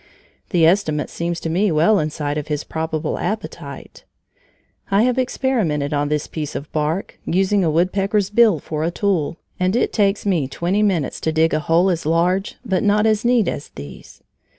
The estimate seems to me well inside of his probable appetite. I have experimented on this piece of bark, using a woodpecker's bill for a tool, and it takes me twenty minutes to dig a hole as large but not as neat as these.